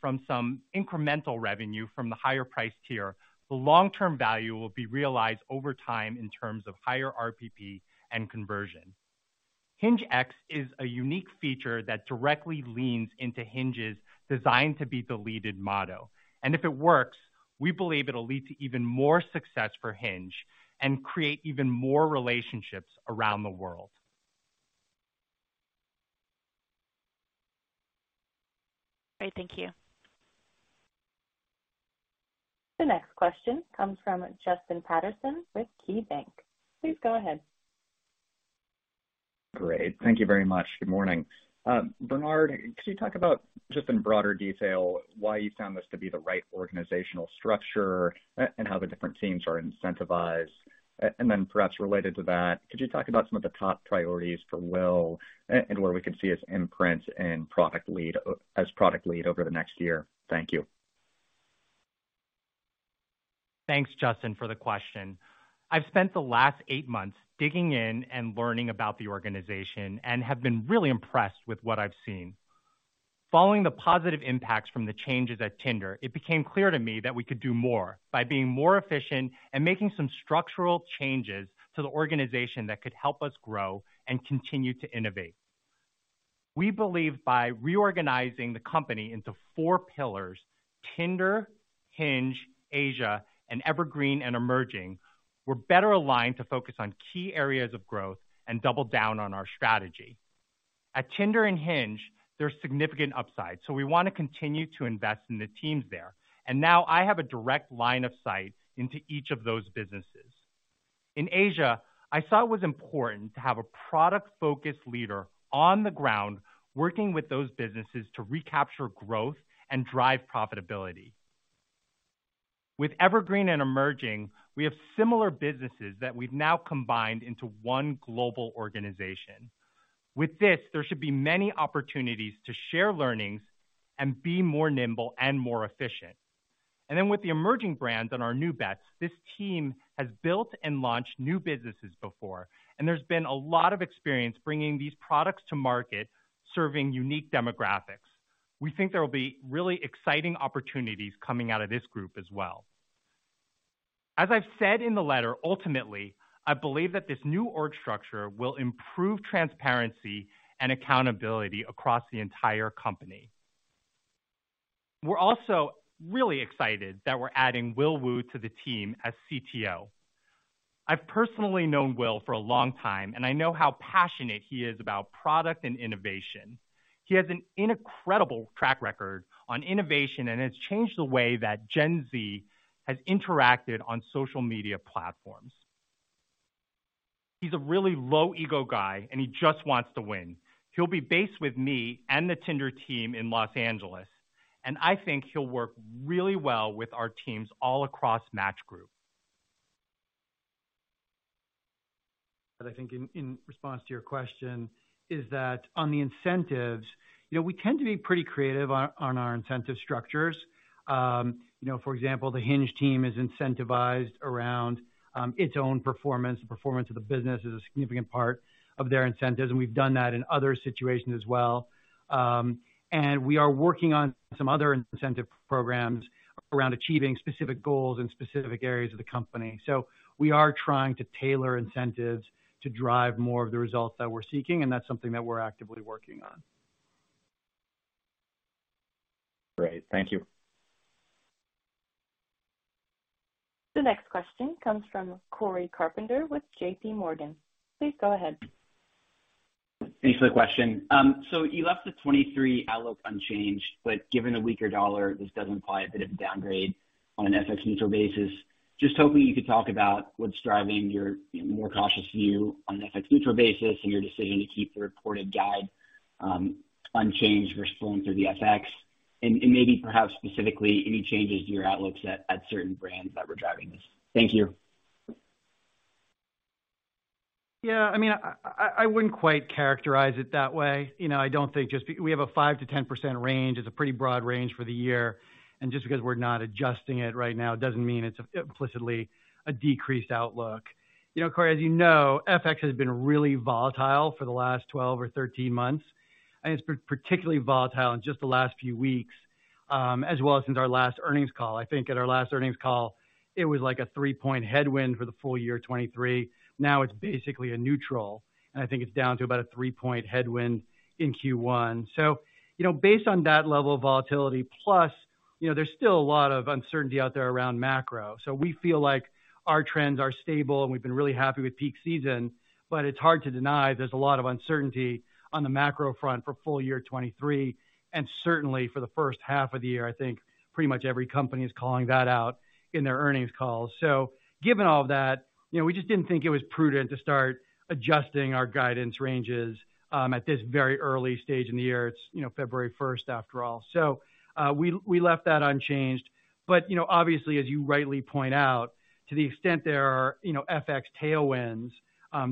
from some incremental revenue from the higher priced tier, the long-term value will be realized over time in terms of higher RPP and conversion. HingeX is a unique feature that directly leans into Hinge's "designed to be deleted" motto. If it works, we believe it'll lead to even more success for Hinge and create even more relationships around the world. Great. Thank you. The next question comes from Justin Patterson with KeyBanc. Please go ahead. Great. Thank you very much. Good morning. Bernard, could you talk about, just in broader detail, why you found this to be the right organizational structure and how the different teams are incentivized? And then perhaps related to that, could you talk about some of the top priorities for Will and where we could see his imprint and product lead, as product lead over the next year? Thank you. Thanks, Justin, for the question. I've spent the last eight months digging in and learning about the organization and have been really impressed with what I've seen. Following the positive impacts from the changes at Tinder, it became clear to me that we could do more by being more efficient and making some structural changes to the organization that could help us grow and continue to innovate. We believe by reorganizing the company into four pillars, Tinder, Hinge, Asia, and Evergreen and Emerging, we're better aligned to focus on key areas of growth and double down on our strategy. At Tinder and Hinge, there's significant upside, we wanna continue to invest in the teams there. Now I have a direct line of sight into each of those businesses. In Asia, I saw it was important to have a product-focused leader on the ground working with those businesses to recapture growth and drive profitability. With Evergreen and Emerging, we have similar businesses that we've now combined into one global organization. With this, there should be many opportunities to share learnings and be more nimble and more efficient. With the emerging brands on our new bets, this team has built and launched new businesses before, and there's been a lot of experience bringing these products to market, serving unique demographics. We think there will be really exciting opportunities coming out of this group as well. As I've said in the letter, ultimately, I believe that this new org structure will improve transparency and accountability across the entire company. We're also really excited that we're adding Will Wu to the team as CTO. I've personally known Will Wu for a long time, and I know how passionate he is about product and innovation. He has an incredible track record on innovation and has changed the way that Gen Z has interacted on social media platforms. He's a really low ego guy, and he just wants to win. He'll be based with me and the Tinder team in Los Angeles, and I think he'll work really well with our teams all across Match Group. I think in response to your question is that on the incentives, you know, we tend to be pretty creative on our incentive structures. You know, for example, the Hinge team is incentivized around its own performance. The performance of the business is a significant part of their incentives, and we've done that in other situations as well. We are working on some other incentive programs around achieving specific goals in specific areas of the company. We are trying to tailor incentives to drive more of the results that we're seeking, and that's something that we're actively working on. Great. Thank you. The next question comes from Cory Carpenter with J.P. Morgan. Please go ahead. Thanks for the question. You left the 23 outlook unchanged, but given the weaker dollar, this does imply a bit of downgrade on an FX neutral basis. Hoping you could talk about what's driving your more cautious view on an FX neutral basis and your decision to keep the reported guide unchanged versus going through the FX and maybe perhaps specifically any changes to your outlooks at certain brands that were driving this. Thank you. Yeah, I mean, I wouldn't quite characterize it that way. You know, I don't think we have a 5%-10% range. It's a pretty broad range for the year. Just because we're not adjusting it right now doesn't mean it's implicitly a decreased outlook. You know, Cory, as you know, FX has been really volatile for the last 12 or 13 months, and it's been particularly volatile in just the last few weeks, as well as since our last earnings call. I think at our last earnings call, it was like a three-point headwind for the full year 2023. Now it's basically a neutral. I think it's down to about a three-point headwind in Q1. You know, based on that level of volatility, plus, you know, there's still a lot of uncertainty out there around macro. We feel like our trends are stable, and we've been really happy with peak season, but it's hard to deny there's a lot of uncertainty on the macro front for full year 2023. Certainly for the first half of the year, I think pretty much every company is calling that out in their earnings calls. Given all of that, you know, we just didn't think it was prudent to start adjusting our guidance ranges, at this very early stage in the year. It's, you know, February 1st after all. We left that unchanged. You know, obviously, as you rightly point out, to the extent there are, you know, FX tailwinds,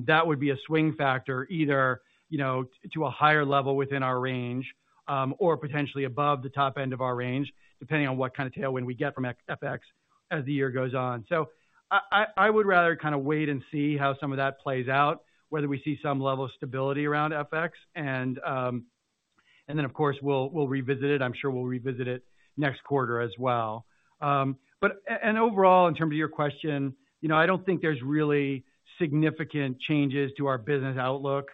that would be a swing factor either, you know, to a higher level within our range, or potentially above the top end of our range, depending on what kind of tailwind we get from FX as the year goes on. I would rather kinda wait and see how some of that plays out, whether we see some level of stability around FX. Then, of course, we'll revisit it. I'm sure we'll revisit it next quarter as well. Overall, in terms of your question, you know, I don't think there's really significant changes to our business outlook,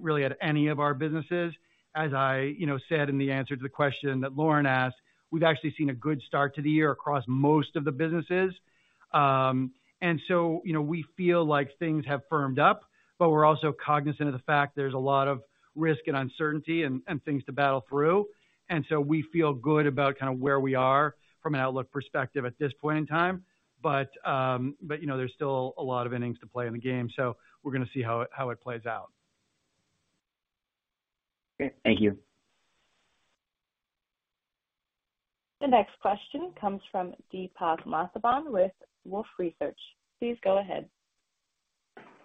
really at any of our businesses. As I, you know, said in the answer to the question that Lauren asked, we've actually seen a good start to the year across most of the businesses. You know, we feel like things have firmed up, but we're also cognizant of the fact there's a lot of risk and uncertainty and things to battle through. We feel good about kinda where we are from an outlook perspective at this point in time. But, you know, there's still a lot of innings to play in the game, so we're gonna see how it plays out. Okay. Thank you. The next question comes from Deepak Mathivanan with Wolfe Research. Please go ahead.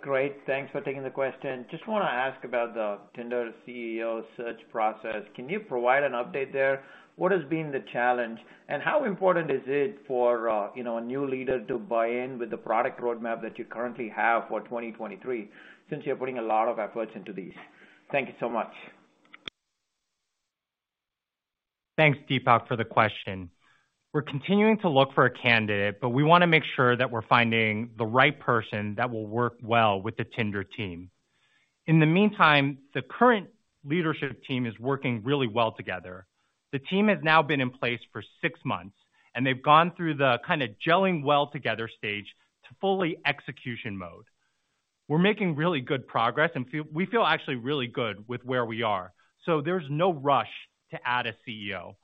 Great. Thanks for taking the question. Just wanna ask about the Tinder CEO search process. Can you provide an update there? What has been the challenge, and how important is it for, you know, a new leader to buy in with the product roadmap that you currently have for 2023 since you're putting a lot of efforts into these? Thank you so much. Thanks, Deepak, for the question. We're continuing to look for a candidate, but we wanna make sure that we're finding the right person that will work well with the Tinder team. In the meantime, the current leadership team is working really well together. The team has now been in place for 6 months, and they've gone through the kinda gelling well together stage to fully execution mode. We're making really good progress and we feel actually really good with where we are, so there's no rush to add a CEO.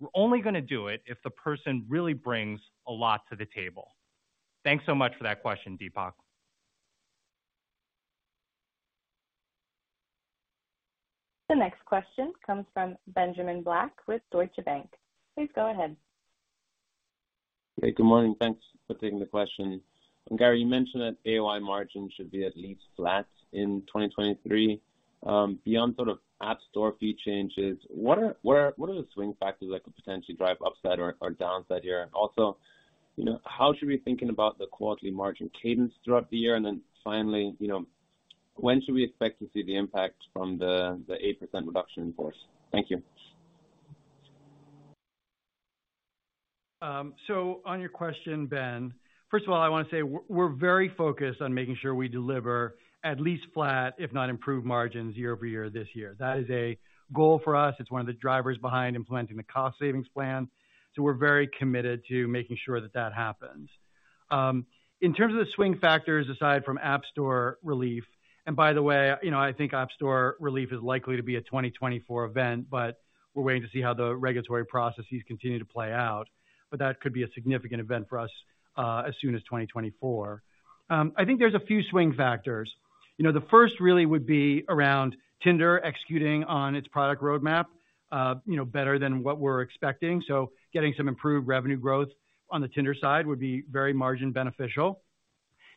We're only gonna do it if the person really brings a lot to the table. Thanks so much for that question, Deepak. The next question comes from Benjamin Black with Deutsche Bank. Please go ahead. Hey, good morning. Thanks for taking the question. Gary, you mentioned that AOI margin should be at least flat in 2023. Beyond sort of App Store fee changes, what are the swing factors that could potentially drive upside or downside here? Also, you know, how should we be thinking about the quarterly margin cadence throughout the year? Finally, you know, when should we expect to see the impact from the 8% reduction in force? Thank you. On your question, Ben, first of all, I wanna say we're very focused on making sure we deliver at least flat, if not improved margins year-over-year this year. That is a goal for us. It's one of the drivers behind implementing the cost savings plan. We're very committed to making sure that that happens. In terms of the swing factors, aside from App Store relief, and by the way, you know, I think App Store relief is likely to be a 2024 event, but we're waiting to see how the regulatory processes continue to play out. That could be a significant event for us, as soon as 2024. I think there's a few swing factors. You know, the first really would be around Tinder executing on its product roadmap, you know, better than what we're expecting. Getting some improved revenue growth on the Tinder side would be very margin beneficial.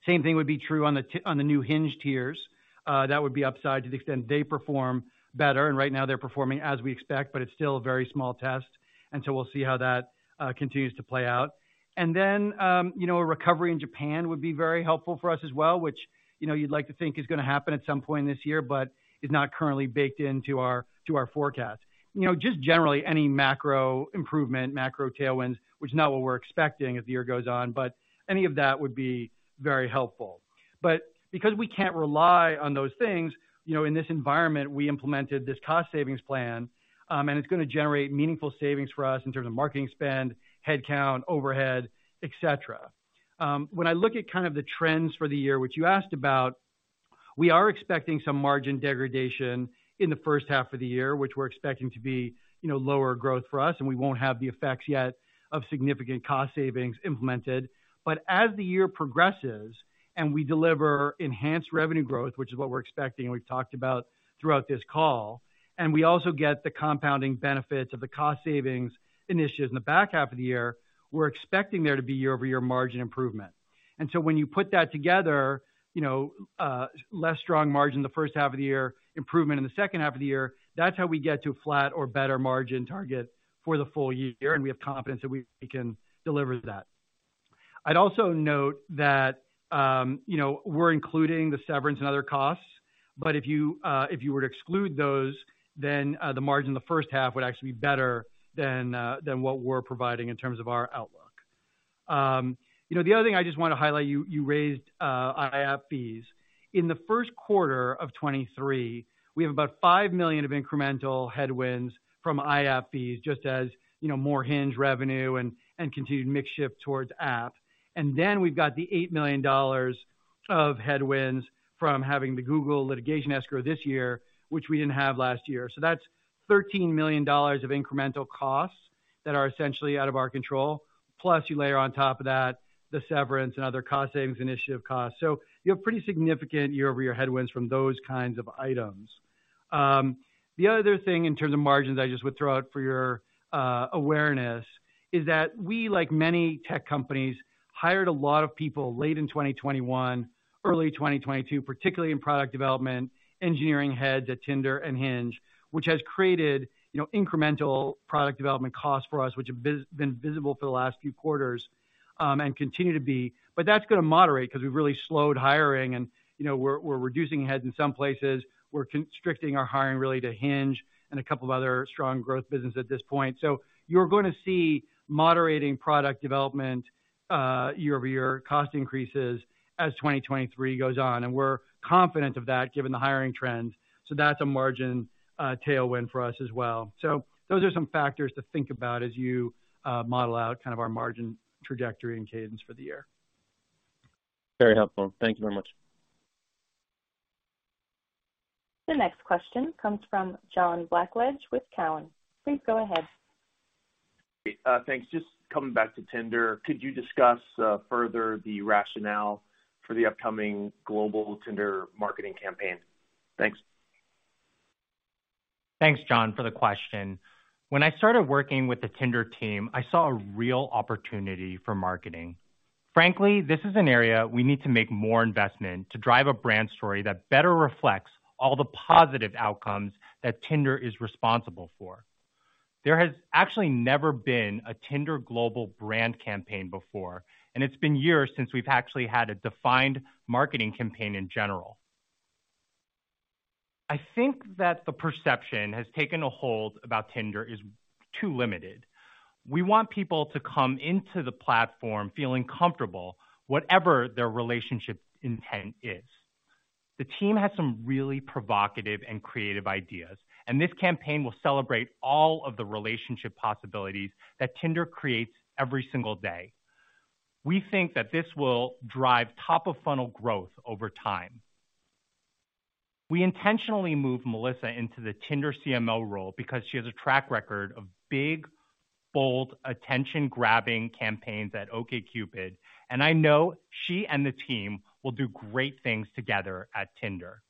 Same thing would be true on the new Hinge tiers. That would be upside to the extent they perform better, and right now they're performing as we expect, but it's still a very small test, we'll see how that continues to play out. You know, a recovery in Japan would be very helpful for us as well, which, you know, you'd like to think is gonna happen at some point this year, but is not currently baked into our forecast. You know, just generally any macro improvement, macro tailwinds, which is not what we're expecting as the year goes on, but any of that would be very helpful. Because we can't rely on those things, you know, in this environment, we implemented this cost savings plan, and it's gonna generate meaningful savings for us in terms of marketing spend, headcount, overhead, et cetera. When I look at kind of the trends for the year, which you asked about, we are expecting some margin degradation in the first half of the year, which we're expecting to be, you know, lower growth for us, and we won't have the effects yet of significant cost savings implemented. As the year progresses and we deliver enhanced revenue growth, which is what we're expecting and we've talked about throughout this call, and we also get the compounding benefits of the cost savings initiatives in the back half of the year, we're expecting there to be year-over-year margin improvement. When you put that together, you know, less strong margin in the first half of the year, improvement in the second half of the year, that's how we get to a flat or better margin target for the full year, and we have confidence that we can deliver that. I'd also note that, you know, we're including the severance and other costs, but if you, if you were to exclude those, then the margin in the first half would actually be better than what we're providing in terms of our outlook. You know, the other thing I just want to highlight, you raised IAP fees. In the first quarter of 2023, we have about $5 million of incremental headwinds from IAP fees, just as, you know, more Hinge revenue and continued mix shift towards app. Then we've got the $8 million of headwinds from having the Google litigation escrow this year, which we didn't have last year. That's $13 million of incremental costs that are essentially out of our control, plus you layer on top of that the severance and other cost savings initiative costs. You have pretty significant year-over-year headwinds from those kinds of items. The other thing in terms of margins I just would throw out for your awareness is that we, like many tech companies, hired a lot of people late in 2021, early 2022, particularly in product development, engineering heads at Tinder and Hinge, which has created, you know, incremental product development costs for us, which have been visible for the last few quarters, and continue to be. That's gonna moderate 'cause we've really slowed hiring and, you know, we're reducing heads in some places. We're constricting our hiring really to Hinge and a couple of other strong growth businesses at this point. You're gonna see moderating product development, year-over-year cost increases as 2023 goes on, and we're confident of that given the hiring trends. That's a margin tailwind for us as well. Those are some factors to think about as you model out kind of our margin trajectory and cadence for the year. Very helpful. Thank you very much. The next question comes from John Blackledge with Cowen. Please go ahead. Thanks. Just coming back to Tinder, could you discuss further the rationale for the upcoming global Tinder marketing campaign? Thanks. Thanks, John, for the question. When I started working with the Tinder team, I saw a real opportunity for marketing. Frankly, this is an area we need to make more investment to drive a brand story that better reflects all the positive outcomes that Tinder is responsible for. There has actually never been a Tinder global brand campaign before, and it's been years since we've actually had a defined marketing campaign in general. I think that the perception has taken a hold about Tinder is too limited. We want people to come into the platform feeling comfortable whatever their relationship intent is. The team has some really provocative and creative ideas. This campaign will celebrate all of the relationship possibilities that Tinder creates every single day. We think that this will drive top of funnel growth over time. We intentionally moved Melissa into the Tinder CMO role because she has a track record of big, bold, attention-grabbing campaigns at OkCupid. I know she and the team will do great things together at Tinder.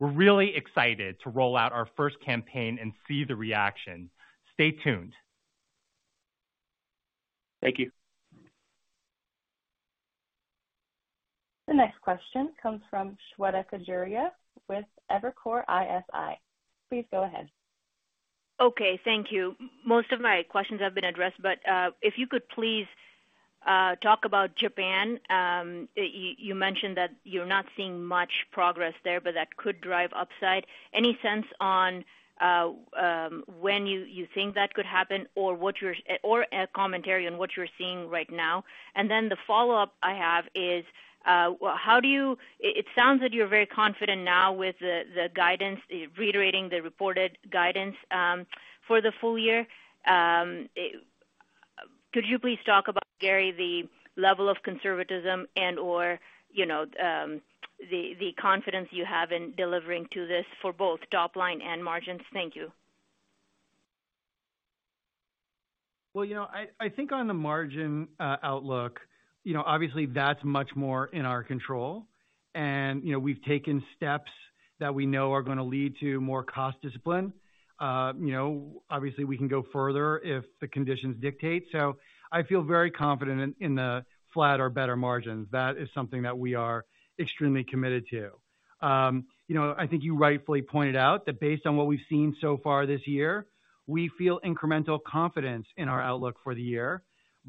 We're really excited to roll out our first campaign and see the reaction. Stay tuned. Thank you. The next question comes from Shweta Khajuria with Evercore ISI. Please go ahead. Okay, thank you. Most of my questions have been addressed, but if you could please talk about Japan. You mentioned that you're not seeing much progress there, but that could drive upside. Any sense on when you think that could happen or a commentary on what you're seeing right now. The follow-up I have is how do you it sounds that you're very confident now with the guidance, reiterating the reported guidance for the full year. Could you please talk about, Gary, the level of conservatism and or, you know, the confidence you have in delivering to this for both top line and margins? Thank you. Well, you know, I think on the margin outlook, you know, obviously that's much more in our control. You know, we've taken steps that we know are gonna lead to more cost discipline. You know, obviously we can go further if the conditions dictate. I feel very confident in the flat or better margins. That is something that we are extremely committed to. You know, I think you rightfully pointed out that based on what we've seen so far this year, we feel incremental confidence in our outlook for the year.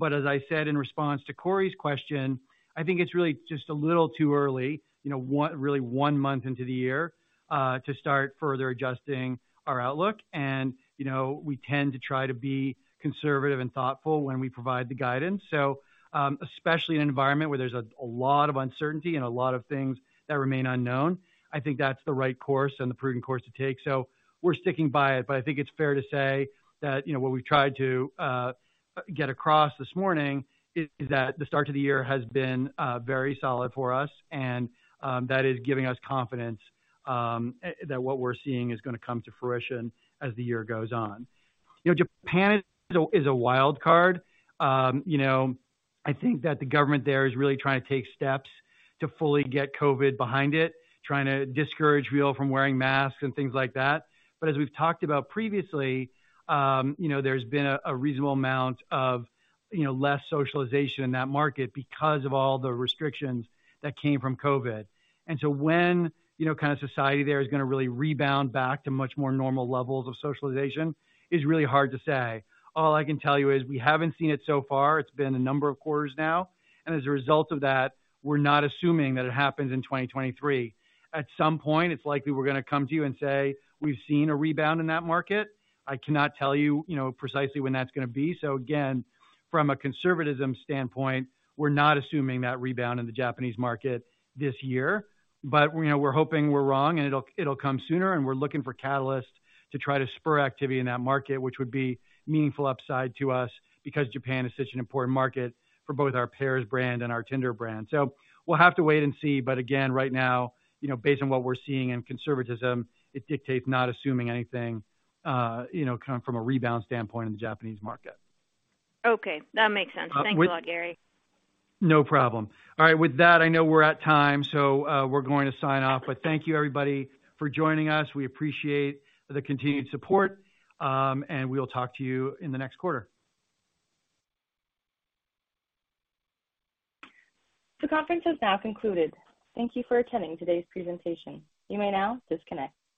As I said in response to Cory's question, I think it's really just a little too early, you know, really one month into the year to start further adjusting our outlook. You know, we tend to try to be conservative and thoughtful when we provide the guidance. Especially in an environment where there's a lot of uncertainty and a lot of things that remain unknown. I think that's the right course and the prudent course to take. We're sticking by it. I think it's fair to say that, you know, what we've tried to get across this morning is that the start to the year has been very solid for us. That is giving us confidence that what we're seeing is gonna come to fruition as the year goes on. You know, Japan is a wild card. You know, I think that the government there is really trying to take steps to fully get COVID behind it, trying to discourage people from wearing masks and things like that. As we've talked about previously, you know, there's been a reasonable amount of, you know, less socialization in that market because of all the restrictions that came from COVID. When, you know, kind of society there is gonna really rebound back to much more normal levels of socialization is really hard to say. All I can tell you is we haven't seen it so far. It's been a number of quarters now, and as a result of that, we're not assuming that it happens in 2023. At some point, it's likely we're gonna come to you and say, we've seen a rebound in that market. I cannot tell you know, precisely when that's gonna be. Again, from a conservatism standpoint, we're not assuming that rebound in the Japanese market this year. You know, we're hoping we're wrong, and it'll come sooner. We're looking for catalysts to try to spur activity in that market, which would be meaningful upside to us because Japan is such an important market for both our Pairs brand and our Tinder brand. We'll have to wait and see. Again, right now, you know, based on what we're seeing in conservatism, it dictates not assuming anything, you know, come from a rebound standpoint in the Japanese market. Okay, that makes sense. With- Thanks a lot, Gary. No problem. All right. With that, I know we're at time, so, we're going to sign off. Thank you everybody for joining us. We appreciate the continued support, and we'll talk to you in the next quarter. The conference is now concluded. Thank you for attending today's presentation. You may now disconnect.